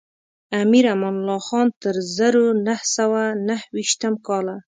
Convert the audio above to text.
امیر امان الله خان تر زرو نهه سوه نهه ویشتم کاله.